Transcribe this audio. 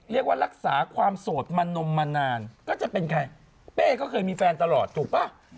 เรียกว่ารักษาความโสดมานมมานานก็จะเป็นใครเป้ก็เคยมีแฟนตลอดถูกป่ะ